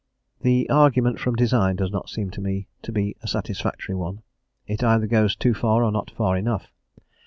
The argument from design does not seem to me to be a satisfactory one; it either goes too far or not far enough.